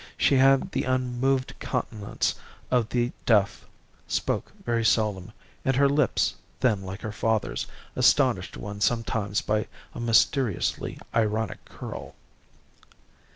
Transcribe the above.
She had the unmoved countenance of the deaf, spoke very seldom, and her lips, thin like her father's, astonished one sometimes by a mysteriously ironic curl.